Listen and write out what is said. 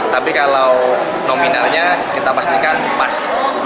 tapi kalau nominalnya kita pastikan pas